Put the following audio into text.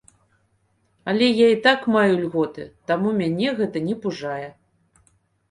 Але я і так маю льготы, таму мяне гэта не пужае.